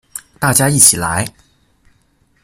大家一起來